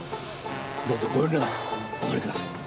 どうぞご遠慮なくお乗りください。